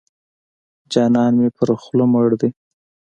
جانان مې پر خوله مړ دی.